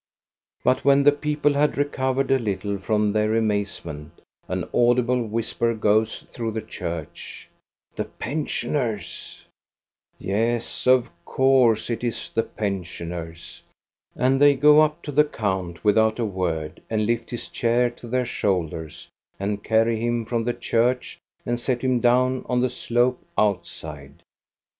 But when the people have recovered a little from THE PLASTER SAINTS 335 their amazement, an audible whisper goes through the church, —" The pensioners !" Yes, of course it is the pensioners. And they go up to the count without a word, and lift his chair to their shoulders and carry him from the church and set him down on the slope outside.